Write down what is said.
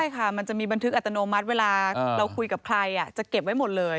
ใช่ค่ะมันจะมีบันทึกอัตโนมัติเวลาเราคุยกับใครจะเก็บไว้หมดเลย